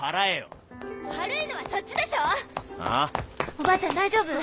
おばあちゃん大丈夫？